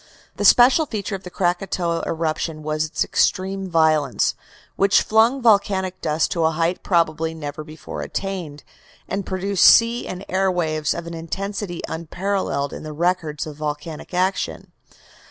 The special feature of the Krakatoa eruption was its extreme violence, which flung volcanic dust to a height probably never before attained, and produced sea and air waves of an intensity unparalleled in the records of volcanic action.